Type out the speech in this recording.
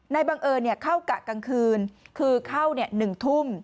บังเอิญเข้ากะกลางคืนคือเข้า๑ทุ่ม